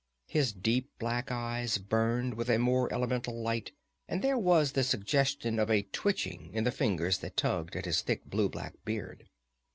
His deep black eyes burned with a more elemental light, and there was the suggestion of a twitching in the fingers that tugged at his thick blue black beard.